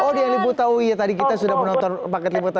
oh dia liputan tadi kita sudah menonton paket liputan